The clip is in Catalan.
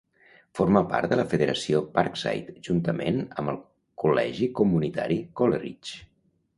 Forma part de la Federació Parkside, juntament amb el Col·legi comunitari Coleridge.